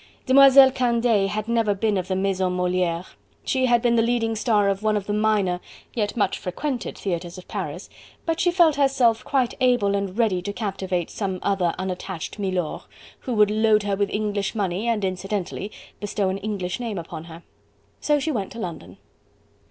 Demoiselle Candeille had never been of the Maison Moliere; she had been the leading star of one of the minor yet much frequented theatres of Paris, but she felt herself quite able and ready to captivate some other unattached milor, who would load her with English money and incidentally bestow an English name upon her. So she went to London.